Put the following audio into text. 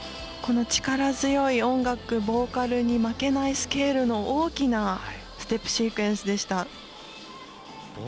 この力強い音楽ボーカルに負けないスケールの大きなステップシークエンスでした。